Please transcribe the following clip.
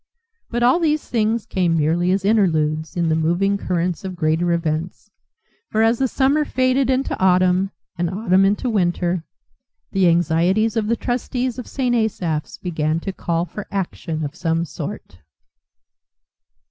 But all these things came merely as interludes in the moving currents of greater events; for as the summer faded into autumn and autumn into winter the anxieties of the trustees of St. Asaph's began to call for action of some sort.